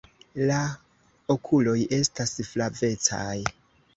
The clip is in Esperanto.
La okuloj estas flavecaj.